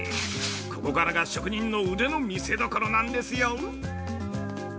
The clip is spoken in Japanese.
ここからが職人の腕の見せどころなんですよ。